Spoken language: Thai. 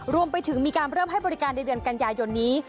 รวมไปถึงมีการเริ่มให้บริการในเดือนกันยายนนี้